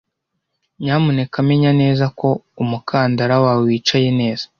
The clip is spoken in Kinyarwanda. Nyamuneka menya neza ko umukandara wawe wicaye neza.